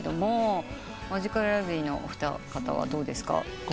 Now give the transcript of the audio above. マヂカルラブリーのお二方はどうですか？